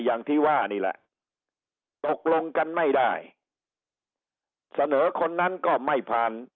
อย่างที่ว่านี่แหละตกลงกันไม่ได้เสนอคนนั้นก็ไม่ผ่าน